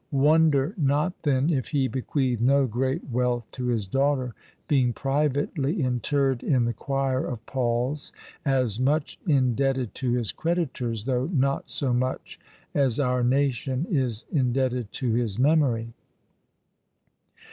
Wonder not then if he bequeathed no great wealth to his daughter, being privately interred in the choir of Paul's, as much indebted to his creditors though not so much as our nation is indebted to his memory."